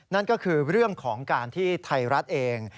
นั่นก็คือเรื่องของการที่ไทยรัฐเอง